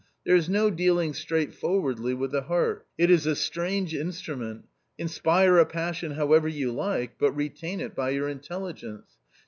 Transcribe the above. There is no dealing straightforwardly with the heart. It is a strange instrument. Inspire a passion however you like, but retain it by your intelligence.